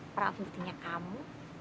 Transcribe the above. perang putihnya kamu